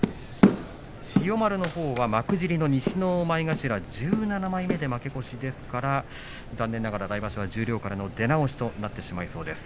千代丸のほうは幕尻の西の前頭西の１７枚目での負け越しですから残念ながら来場所は十両からの出直しとなってしまいそうです。